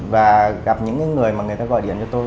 và gặp những người mà người ta gọi điện cho tôi